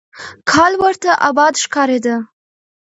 کال ورته آباد ښکارېده.